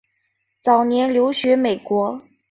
早年留学美国。